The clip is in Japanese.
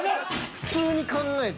普通に考えて。